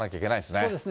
そうですね。